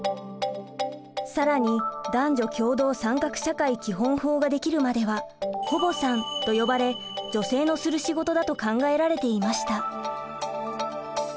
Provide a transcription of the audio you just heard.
更に男女共同参画社会基本法が出来るまでは「保母さん」と呼ばれ女性のする仕事だと考えられていました。